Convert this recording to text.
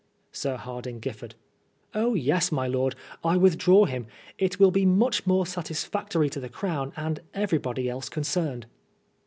Sir Hardinge Giffard : Oh yes, my lord ; I withdraw him. It will be much more satisfactory to the Crown and everybody else concerned."